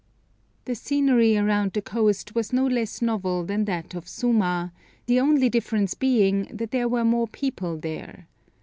The scenery around the coast was no less novel than that of Suma, the only difference being that there were more people there.